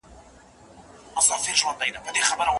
ولي پر خاوند د ميرمني غوښتنه منل واجب دي؟